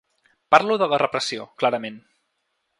Parlo de la repressió, clarament.